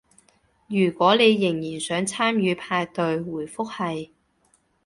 如果你仍然想參與派對，回覆係